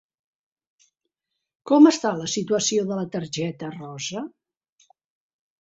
Com està la situació de la targeta rosa?